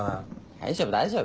大丈夫大丈夫。